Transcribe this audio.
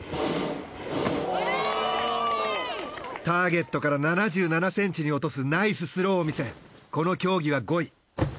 ターゲットから７７ｃｍに落とすナイススローを見せこの競技は５位。